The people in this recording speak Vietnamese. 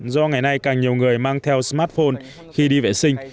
do ngày nay càng nhiều người mang theo smartphone khi đi vệ sinh